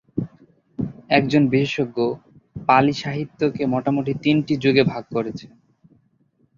একজন বিশেষজ্ঞ পালি সাহিত্যকে মোটামুটি তিনটি যুগে ভাগ করেছেন।